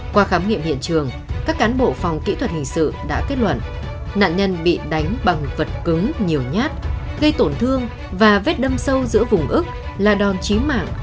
qua khám nghiệm hiện trường các cán bộ phòng kỹ thuật hình sự đã kết luận nạn nhân bị đánh bằng vật cứng nhiều nhát gây tổn thương và vết đâm sâu giữa vùng ức là đòn chí mạng